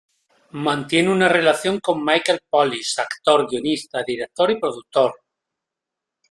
Mantiene una relación con Michael Polish, actor, guionista, director y productor.